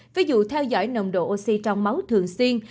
ví dụ theo dõi nồng độ oxy trong máu thường xuyên